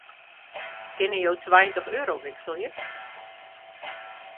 Kinne jo tweintich euro wikselje?